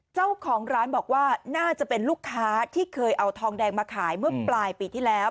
เจ้าของร้านบอกว่าน่าจะเป็นลูกค้าที่เคยเอาทองแดงมาขายเมื่อปลายปีที่แล้ว